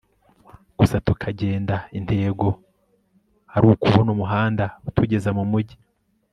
gusa tukagenda intego arukubona umuhanda utugeza mumugi